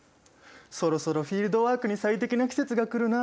そろそろフィールドワークに最適な季節が来るな。